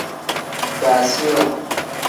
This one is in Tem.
Baasiwa.